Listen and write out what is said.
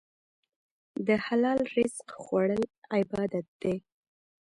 د حلال رزق خوړل عبادت دی.